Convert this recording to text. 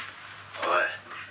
「おい」